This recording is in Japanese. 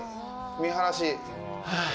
見晴らし。